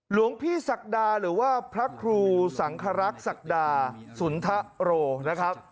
หลวงพี่ศักดาหรือว่าพระครูสังครักษ์ศักดาสุนทะโรนะครับ